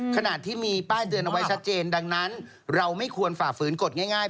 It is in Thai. ขณะที่มีป้ายเตือนเอาไว้ชัดเจนดังนั้นเราไม่ควรฝ่าฝืนกฎง่าย